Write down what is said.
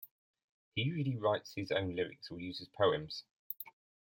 He usually writes his own lyrics or uses poems.